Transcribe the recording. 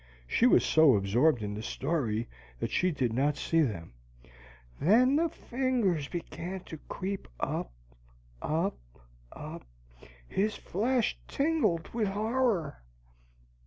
She was so absorbed in the story that she did not see them. "Then the fingers began to creep up and up, up and up. His flesh tingled with horror."